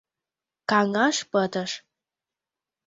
Каҥаш пытыш.